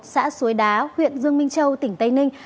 xã suối đá huyện dương minh châu tỉnh tây ninh